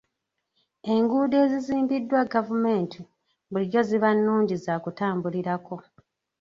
Enguudo ezizimbiddwa gavumenti bulijjo ziba nnungi za kutambulirako.